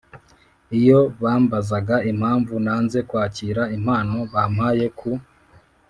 Iyo bambazaga impamvu nanze kwakira impano bampaye ku